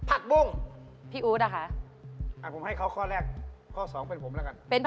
อ่ะผมให้เขาข้อแรกข้อสองเป็นผมแล้วกัน